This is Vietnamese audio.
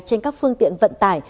trên các phương tiện vận tải